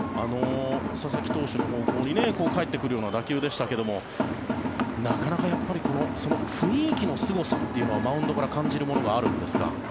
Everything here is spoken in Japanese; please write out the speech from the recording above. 佐々木投手の方向に返ってくるような打球でしたがなかなか雰囲気のすごさというのはマウンドから感じるものがあるんですか？